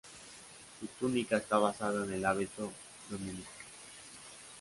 Su túnica está basada en el hábito dominico.